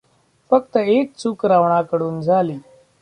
फक्त एक चूक रावणाकडून झाली.